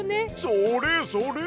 それそれ！